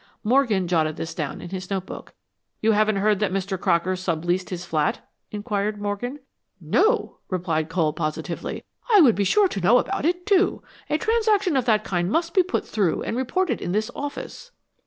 Morgan jotted this down in his notebook. "You haven't heard that Mr. Crocker sub leased his flat?" inquired Morgan. "No," replied Cole, positively. "I would be sure to know about it, too. A transaction of that kind must be put through and reported in this office."